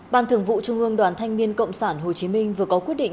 ban thường vụ trung ương đoàn thanh niên cộng sản hồ chí minh vừa có quyết định